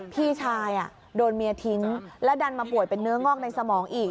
พี่ชายโดนเมียทิ้งและดันมาป่วยเป็นเนื้องอกในสมองอีก